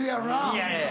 いやいや！